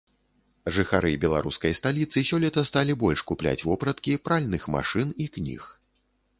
Жыхары беларускай сталіцы сёлета сталі больш купляць вопраткі, пральных машын і кніг.